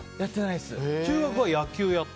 中学は野球やって？